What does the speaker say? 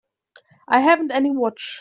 I haven't any watch.